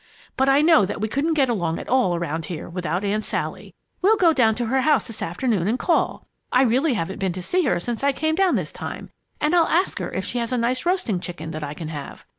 But I know that we couldn't get along at all around here without Aunt Sally. We'll go down to her house this afternoon and call (I really haven't been to see her since I came down this time), and I'll ask her if she has a nice roasting chicken that I can have.